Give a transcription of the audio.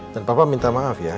dan papa minta maaf ya